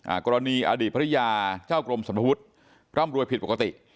กรณีอดีตภรรยาเจ้ากรมสรรพวุฒิร่ำรวยผิดปกติ